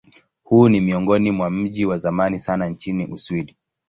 Huu ni miongoni mwa miji ya zamani sana nchini Uswidi.